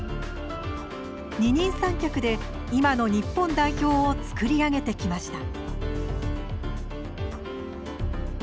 二人三脚で今の日本代表を作り上げてきました。